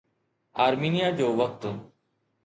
آرمينيا جو وقت